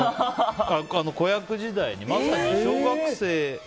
子役時代に、まさに小学生。